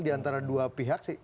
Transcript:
di antara dua pihak